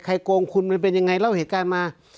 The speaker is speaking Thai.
โกงคุณมันเป็นยังไงเล่าเหตุการณ์มา